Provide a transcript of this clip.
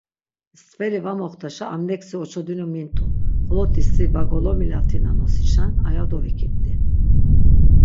Stveli va moxtaşa am leksi oçodinu mint̆u, xoloti si va golomilatina nosişen aya dovikipt̆i.